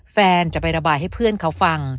แฟนจะไประบายให้เพื่อนเขาฟัง